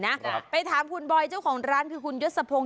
นะครับไปถามคุณบอยเจ้าของร้านคือคุณยศพงศ